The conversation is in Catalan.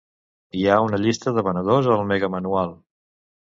Hi ha una llista de venedors al megamanual.